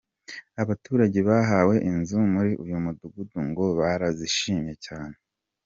Abaturage bahawe inzu muri uyu mudugudu ngo barazishimiye cyane.